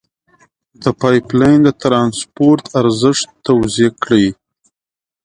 د پایپ لین د ترانسپورت ارزښت توضیع کړئ.